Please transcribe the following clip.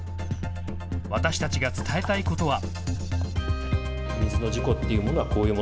私たちが伝えたいことは。